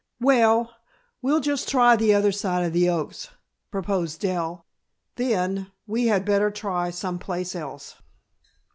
"Well, we'll just try the other side of the oaks," proposed Dell, "then, we had better try some place else."